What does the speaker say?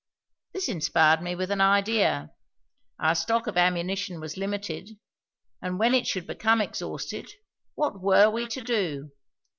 This inspired me with an idea: our stock of ammunition was limited, and when it should become exhausted, what were we to do?